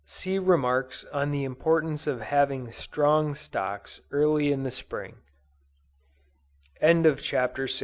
(See remarks on the importance of having strong stocks early in the Spring.) CHAPTER VII.